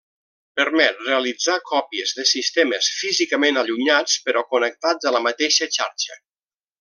Permet realitzar còpies de sistemes físicament allunyats però connectats a la mateixa xarxa.